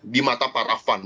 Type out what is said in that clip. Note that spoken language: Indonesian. di mata para fund